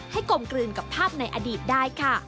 กลมกลืนกับภาพในอดีตได้ค่ะ